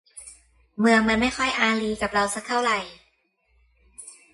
เมืองมันไม่ค่อยอารีกับเราสักเท่าไหร่